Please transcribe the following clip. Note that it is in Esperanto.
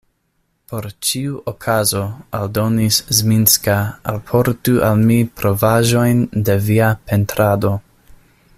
Por ĉiu okazo, aldonis Zminska, alportu al mi provaĵojn de via pentrado.